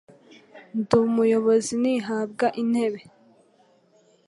Ndi umuyobozi ntihabwa intebe